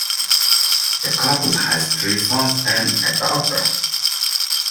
The couple had three sons and a daughter.